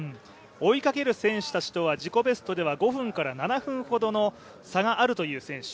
追いかける選手たちとは自己ベストでは５分から７分ほどの差があるという選手。